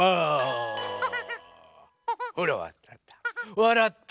ほらわらった。